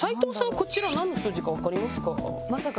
こちらなんの数字かわかりますか？